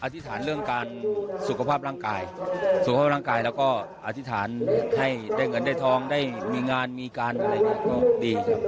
ธิษฐานเรื่องการสุขภาพร่างกายสุขภาพร่างกายแล้วก็อธิษฐานให้ได้เงินได้ทองได้มีงานมีการอะไรอย่างนี้ก็ดีครับ